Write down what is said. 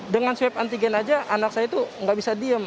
dengan swab antigen aja anak saya itu nggak bisa diem